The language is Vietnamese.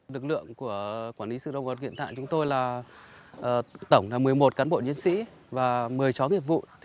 lực lượng của quản lý sự động vật hiện tại chúng tôi là tổng một mươi một cán bộ chiến sĩ và một mươi chó nghiệp vụ